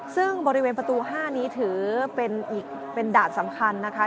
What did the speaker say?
ซึ่งบริเวณประตู๕นี้ถือเป็นอีกเป็นด่านสำคัญนะคะ